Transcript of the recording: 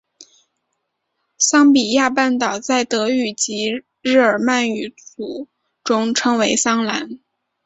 桑比亚半岛在德语及日耳曼语族中称为桑兰。